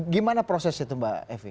gimana prosesnya itu mbak evi